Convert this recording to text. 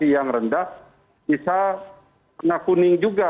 yang rendah bisa kena kuning juga